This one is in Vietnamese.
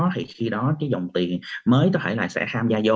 thì khi đó cái dòng tiền mới có thể là sẽ tham gia vô